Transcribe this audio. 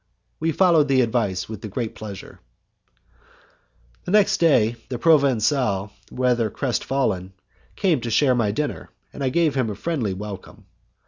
We followed the advice with great pleasure. The next day, the Provencal, rather crestfallen, came to share my dinner, and I gave him a friendly welcome.